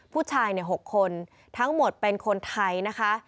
ผู้ชาย๖คนทั้งหมดเป็นคนไทยนะคะ